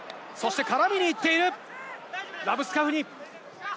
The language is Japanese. からみに行っているラブスカフニ。